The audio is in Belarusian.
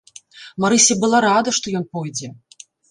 Марыся была рада, што ён пойдзе.